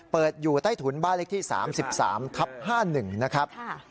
อยู่ใต้ถุนบ้านเลขที่๓๓ทับ๕๑นะครับ